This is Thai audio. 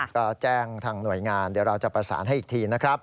ก็แจ้งทางหน่วยงานเดี๋ยวเราจะประสานให้อีกทีนะครับ